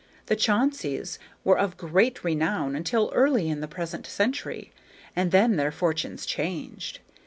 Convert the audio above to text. The Chaunceys were of great renown until early in the present century, and then their fortunes changed.